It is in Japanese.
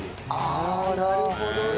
ああなるほどね！